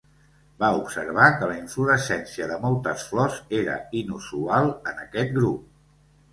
Va observar que la inflorescència de moltes flors era inusual en aquest grup.